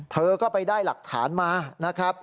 เธอก็ไปได้หลักฐานมา